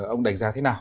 ông đánh giá thế nào